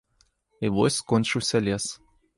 І вось скончыўся лес.